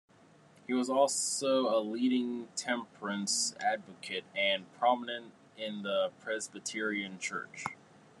He was also a leading temperance advocate and prominent in the Presbyterian church.